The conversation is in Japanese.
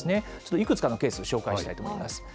いくつかのケースを紹介したいと思います。